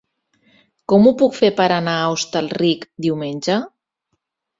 Com ho puc fer per anar a Hostalric diumenge?